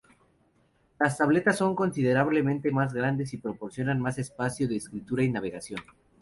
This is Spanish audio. Las tabletas son considerablemente más grandes y proporcionan más espacio de escritura y navegación.